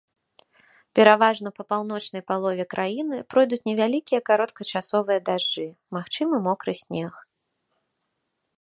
Пераважна па паўночнай палове краіны пройдуць невялікія кароткачасовыя дажджы, магчымы мокры снег.